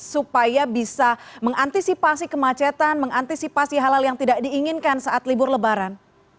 supaya bisa mengantisipasi kemacetan mengantisipasi hal hal yang tidak diinginkan saat libur lebaran